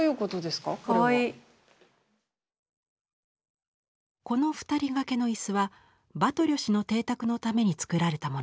この２人がけの椅子はバトリョ氏の邸宅のために作られたものです。